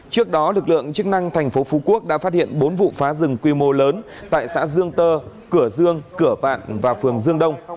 trước đó lực lượng chức năng thành phố phú quốc đã phát hiện bốn vụ phá rừng quy mô lớn tại xã dương tơ cửa dương cửa vạn và phường dương đông